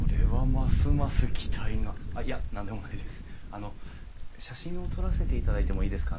あの写真を撮らせていただいてもいいですか？